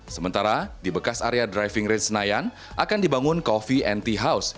sementara di bekas area driving range senayan akan dibangun coffee and tea house